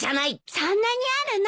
そんなにあるの？